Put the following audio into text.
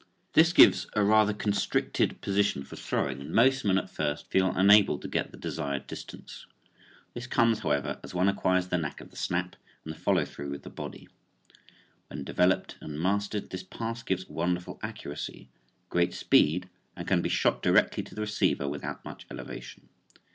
This gives a rather constricted position for throwing and most men at first feel unable to get the desired distance. This comes, however, as one acquires the knack of the snap and the follow through with the body. When developed and mastered this pass gives wonderful accuracy, great speed and can be shot directly to the receiver without much elevation.